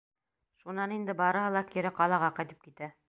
Шунан инде барыһы ла кире ҡалаға ҡайтып китә.